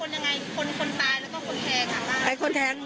หลายคนแทง